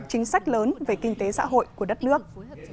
chính sách lớn về kinh tế xã hội của đất nước